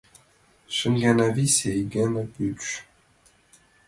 Шым гана висе — ик гана пӱч.